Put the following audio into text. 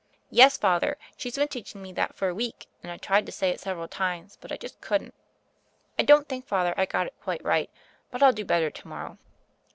"Yes, Father; she's been teaching me that for a week; and I tried to say it several times, but I just couldn't. I don't think, Father, I got it quite right, but I'll do better to morrow."